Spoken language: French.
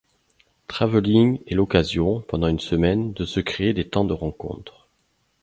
Travelling est l’occasion, pendant une semaine, de se créer des temps de rencontres.